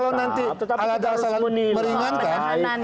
kalau nanti alasan meringankan